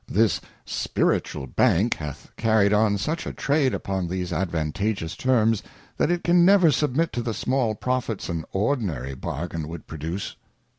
This Spiritual Bank hath carried on such a Trade upon these advantageous Terms, that it can never submit to the small Profits an ordinary Bargain would produce.